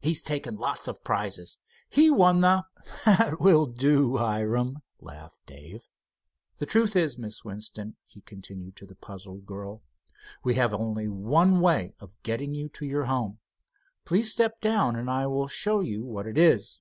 "He's taken lots of prizes. He won the——" "That will do, Hiram," laughed Dave. "The truth is, Miss Winston," he continued to the puzzled girl, "we have only one way of getting you to your home. Please step down and I will show you what it is."